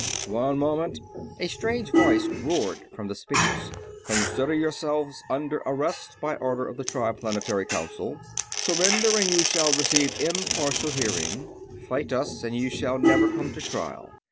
"One moment!" A strange voice roared from the speakers. "Consider yourselves under arrest, by order of the Triplanetary Council! Surrender and you shall receive impartial hearing; fight us and you shall never come to trial.